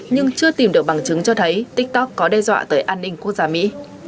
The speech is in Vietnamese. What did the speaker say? nhưng chưa tìm được bằng chứng cho thấy tiktok có đe dọa tới an ninh quốc gia mỹ